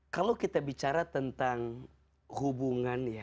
kalau kita bicara tentang hubungan ya